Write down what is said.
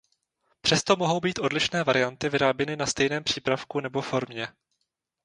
Přesto mohou být odlišné varianty vyráběny na stejném přípravku nebo formě.